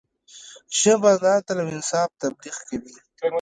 ژبه د عدل او انصاف تبلیغ کوي